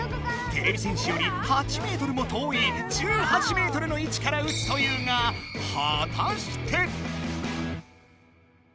てれび戦士より８メートルも遠い１８メートルの位置からうつというがはたして！